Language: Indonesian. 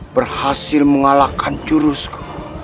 berhasil mengalahkan jurusku